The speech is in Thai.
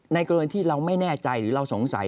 กรณีที่เราไม่แน่ใจหรือเราสงสัย